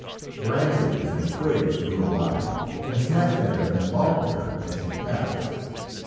Branches and twigs grew alive and snatched at her and baulked her as she passed.